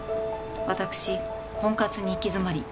「私婚活に行き詰まり」